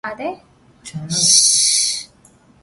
The school's motto is "Wisdom - Honour - Courage".